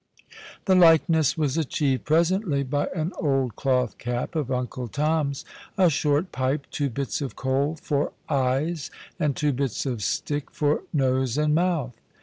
The likeness was achieved presently by an old cloth cap of Uncle Tom's, a short pij)e, two bits of coal for eyes, and two bits of stick for nose and mouth.